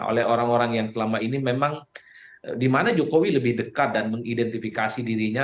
oleh orang orang yang selama ini memang dimana jokowi lebih dekat dan mengidentifikasi dirinya